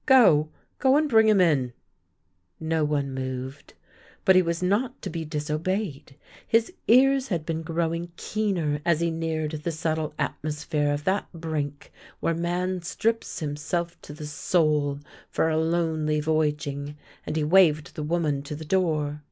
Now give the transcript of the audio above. '* Go — go, and bring him in." No one moved. But he was not to be disobeyed. His ears had been growing keener as he neared the subtle atmosphere of that Brink where man strips him self to the soul for a lonely voyaging, and he waved the woman to the door.